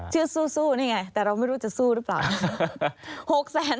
ชื่อสู้นี่ไงแต่เราไม่รู้จะสู้หรือป่าวนะ